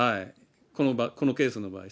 このケースの場合。